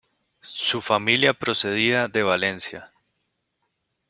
Su familia procedía de Valencia.